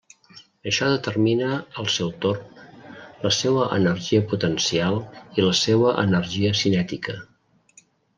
Això determina al seu torn la seua energia potencial i la seua energia cinètica.